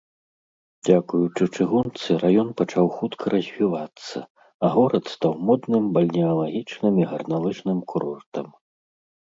Дзякуючы чыгунцы раён пачаў хутка развівацца, а горад стаў модным бальнеалагічным і гарналыжным курортам.